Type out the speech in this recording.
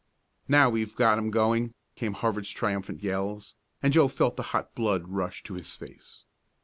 "Now we've got 'em going!" came Harvard's triumphant yells, and Joe felt the hot blood rush to his face.